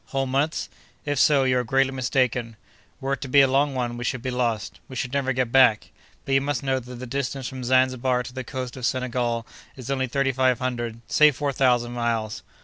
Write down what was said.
Whole months? If so, you are greatly mistaken. Were it to be a long one, we should be lost; we should never get back. But you must know that the distance from Zanzibar to the coast of Senegal is only thirty five hundred—say four thousand miles.